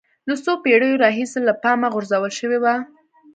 له څو پېړیو راهیسې له پامه غورځول شوی و